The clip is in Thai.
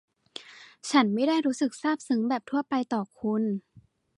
ฉันไม่ได้รู้สึกซาบซึ้งแบบทั่วไปต่อคุณ